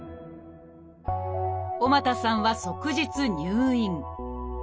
尾又さんは即日入院。